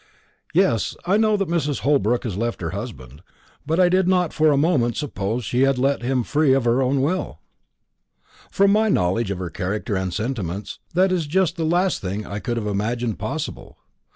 "Yes; I know that Mrs. Holbrook has left her husband, but I did not for a moment suppose she had left him of her own free will. From my knowledge of her character and sentiments, that is just the last thing I could have imagined possible.